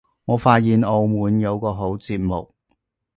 我發現澳門有個好節目